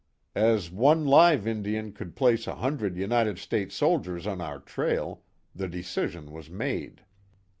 As one live Indian could place a hundred United States soldiers on our trail, the decision was made.